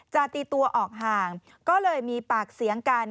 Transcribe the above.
จะตีตัวออกห่างก็เลยมีปากเสียงกัน